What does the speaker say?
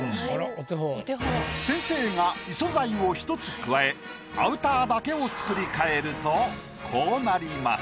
先生が異素材を１つ加えアウターだけを作り替えるとこうなります。